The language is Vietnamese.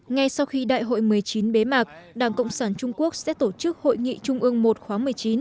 ngay sau khi đại hội một mươi chín bế mạc đảng cộng sản trung quốc sẽ tổ chức hội nghị trung ương một khóa một mươi chín